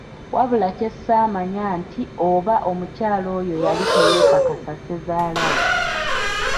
Wabula kye ssaamanya nti oba omukyala oyo yali teyeekakasa Ssezaalawe!